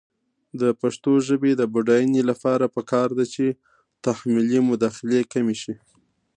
د پښتو ژبې د بډاینې لپاره پکار ده چې تحمیلي مداخلې کمې شي.